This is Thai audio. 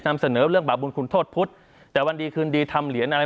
นำเสนอเรื่องบาปบุญคุณโทษพุทธแต่วันดีคืนดีทำเหรียญอะไร